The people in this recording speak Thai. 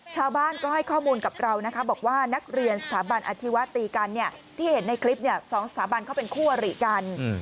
ชาวบ้านก็ให้ข้อมูลกับเรานะคะบอกว่านักเรียนสถาบันอาชีวะตีกันที่เห็นในคลิป๒สถาบันเขาเป็นคู่อริกัน